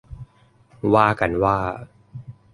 ว่ากันว่า